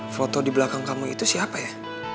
foto di belakang kamu itu siapa ya